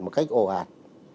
một cách ồ ạt